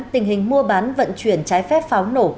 tình hình mua bán vận chuyển trái phép pháo nổ